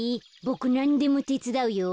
ボクなんでもてつだうよ。